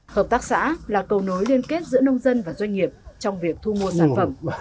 hợp tác xã là cầu nối liên kết giữa nông dân và doanh nghiệp trong việc thu mua sản phẩm